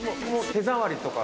手触りとか。